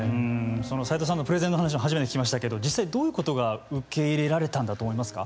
斎藤さんのプレゼンの話も初めて聞きましたけど実際どういうことが受け入れられたんだと思いますか。